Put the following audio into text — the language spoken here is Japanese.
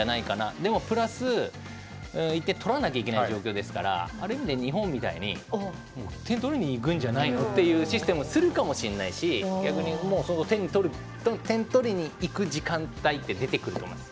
でもプラス点取らないといけない状況ですからある意味で日本みたいに点を取りにいくんじゃないっていうシステムをするかもしれないし逆に点を取りにいく時間帯が出てくると思います。